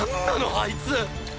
あいつ！！